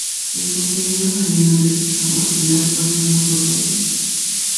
El contenido salino de sus aguas las tornan no potables.